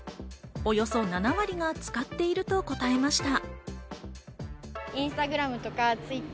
およそ７割が使っていると答えました。